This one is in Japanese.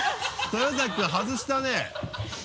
豊崎君外したね。